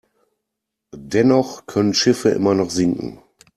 Dennoch können Schiffe immer noch sinken.